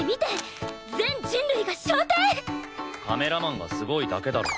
カメラマンがすごいだけだろ。